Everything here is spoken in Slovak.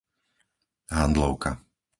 Handlovka